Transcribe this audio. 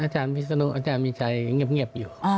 อาจารย์พิศนุอาจารย์มีชัยเงียบอยู่